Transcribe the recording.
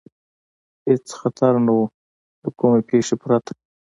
هېڅ خطر نه و، له کومې پېښې پرته.